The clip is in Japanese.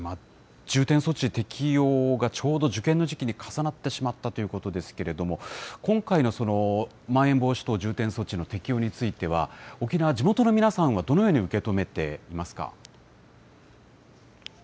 重点措置適用がちょうど受験の時期に重なってしまったということですけれども、今回のまん延防止等重点措置の適用については、沖縄、地元の皆さんはどのように受け止めていますか。